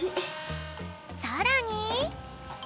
さらに。